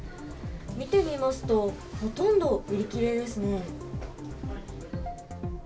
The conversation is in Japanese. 見てみますとほとんど売り切れですね。